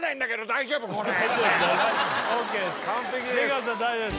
大丈夫です